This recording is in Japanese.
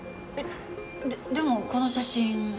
えっでもこの写真。